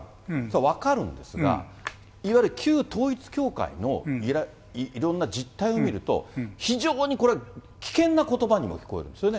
分かるんですが、いわゆる旧統一教会のいろんな実態を見ると、非常にこれは危険なことばみたいに聞こえるんですよね。